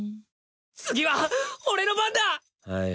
次は俺の番だはい